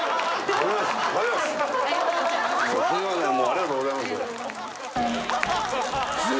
ありがとうございます